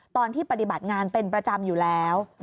ปฏิบัติงานเป็นประจำอยู่แล้ว